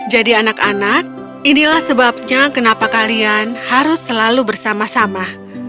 jadi anak anak inilah sebabnya kenapa kalian harus selalu bersama sama